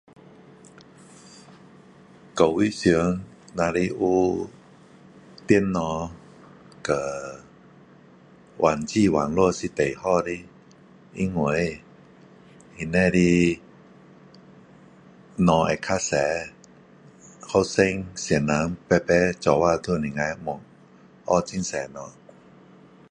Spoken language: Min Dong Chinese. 教育上要是有电脑和网际网络是最好的，因为这里的物会较多，学生先生排排一起都可以问，学很多物，